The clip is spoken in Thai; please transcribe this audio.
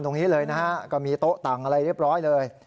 ตรงนี้เลยนะฮะก็มีโต๊ะต่างอะไรเรียบร้อยเลย